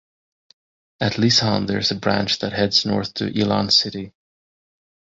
At Lishan there is a branch that heads north to Yilan City.